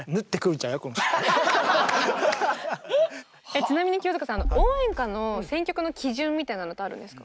ちなみに清塚さん応援歌の選曲の基準みたいなのってあるんですか？